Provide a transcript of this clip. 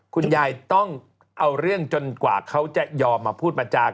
คุณยายต้องเอาเรื่องจนกว่าเขาจะยอมมาพูดมาจาก